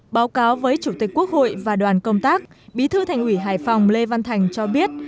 báo cáo với chủ tịch quốc hội và đoàn công tác bí thư thành ủy hải phòng lê văn thành cho biết